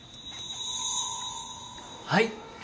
はい。